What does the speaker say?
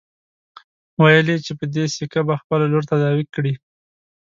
ويل يې چې په دې سيکه به خپله لور تداوي کړي.